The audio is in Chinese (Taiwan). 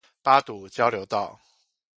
八堵交流道